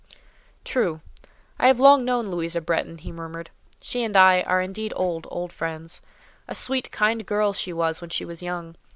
"True. I have long known Louisa Bretton," he murmured. "She and I are indeed old, old friends; a sweet, kind girl she was when she was young.